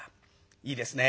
いいですね。